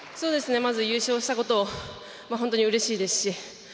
まず優勝したこと本当にうれしいですし。